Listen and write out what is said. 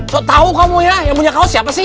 kau tahu kamu ya yang punya kaos siapa sih